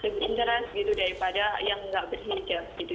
mencerah gitu daripada yang nggak berhijab gitu